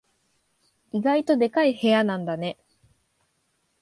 意外とでかい部屋なんだね。